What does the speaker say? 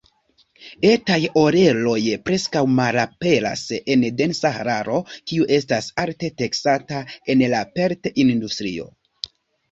Etaj oreloj preskaŭ malaperas en densa hararo, kiu estas alte taksata en la pelt-industrio.